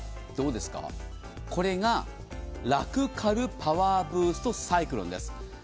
どうですか、これがラクかるパワーブーストサイクロンです。